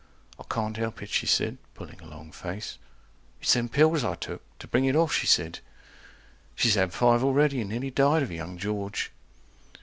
I can't help it, she said, pulling a long face, It's them pills I took, to bring it off, she said. (She's had five already, and nearly died of young George.)